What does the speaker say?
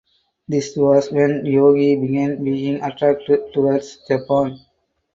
This was when Yogi began being attracted towards Japan.